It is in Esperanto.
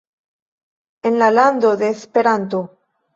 en la lando de Esperanto